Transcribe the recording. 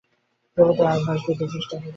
বিপদের আভাস দিতে চেষ্টা করে।